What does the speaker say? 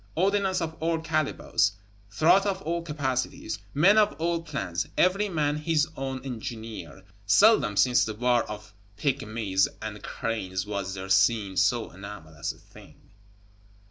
Ordnance of all calibres; throats of all capacities; men of all plans, every man his own engineer; seldom since the war of Pygmies and Cranes was there seen so anomalous a thing.